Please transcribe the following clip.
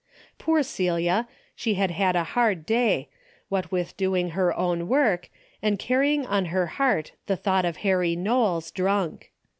Poor Celia, she had had a hard day, what with doing her own work, and carrying on her heart the thought of Harry Knowles drunk.